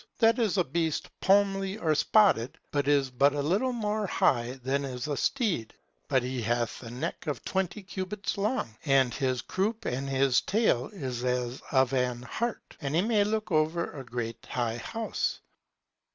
That is a beast, pomely or spotted, that is but a little more high than is a steed, but he hath the neck a twenty cubits long; and his croup and his tail is as of an hart; and he may look over a great high house.